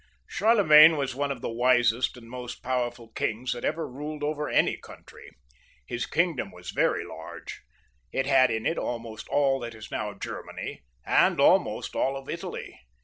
Charlemagne was one of the ^^^ most powerful kings that ever ruled over any country. His kingdom was verjr large ; it had in it almost aU that is now Germany, and almost all of Italy.